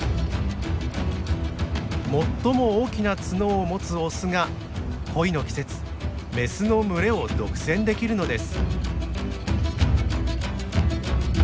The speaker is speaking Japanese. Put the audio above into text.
最も大きな角を持つオスが恋の季節メスの群れを独占できるのです。